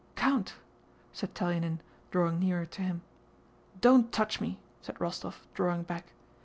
"Count..." said Telyánin drawing nearer to him. "Don't touch me," said Rostóv, drawing back.